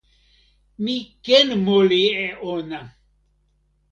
mi ken moli e ona!